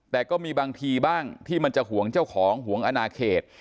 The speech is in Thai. แต่ก็มีบางทีบ้างที่มันจะห่วงเจ้าของห่วงอนาเขต